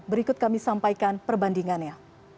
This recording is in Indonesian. berikut kami sampaikan perbandingannya